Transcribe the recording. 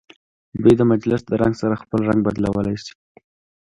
دوی د مجلس د رنګ سره خپل رنګ بدلولی شي.